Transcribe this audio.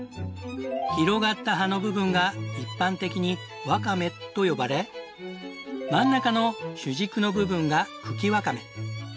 広がった葉の部分が一般的にワカメと呼ばれ真ん中の主軸の部分が茎ワカメ。